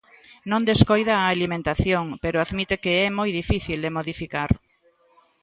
Non descoida a alimentación, pero admite que é "moi difícil de modificar".